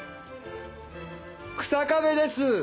草壁です